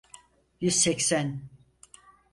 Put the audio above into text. Yüz seksen.